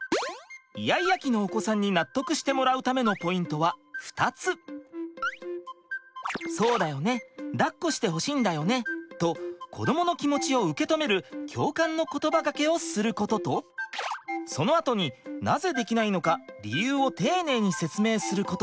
イヤイヤ期のお子さんに納得してもらうための「そうだよねだっこしてほしいんだよね」と子どもの気持ちを受け止める共感の言葉がけをすることとそのあとになぜできないのか理由を丁寧に説明すること。